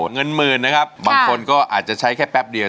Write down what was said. เงินหมื่นนะครับบางคนก็อาจจะใช้แค่แป๊บเดียว